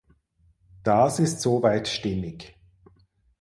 Das ist soweit stimmig.